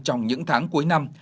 trong những tháng cuối năm